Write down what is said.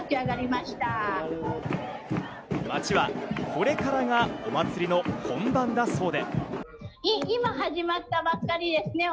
街はこれからがお祭りの本番だそうで。